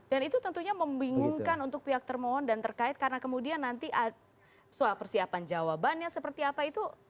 dan itu tentunya membingungkan untuk pihak termohon dan terkait karena kemudian nanti soal persiapan jawabannya seperti apa itu